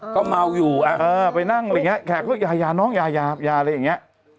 ก็เมาอยู่ไปนั่งอะไรอย่างนี้แขกเลือกยายาน้องยายาอะไรอย่างนี้